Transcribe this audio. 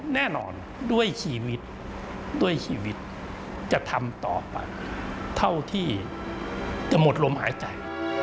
แน่นอนด้วยชีวิตเติมต่อไปเท่าที่จะมดรมหายใจ